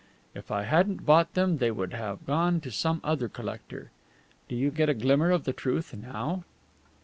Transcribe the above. If I hadn't bought them they would have gone to some other collector. Do you get a glimmer of the truth now?"